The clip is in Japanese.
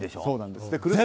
そうなんです。